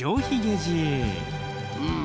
うん。